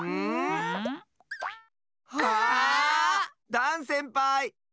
ダンせんぱい！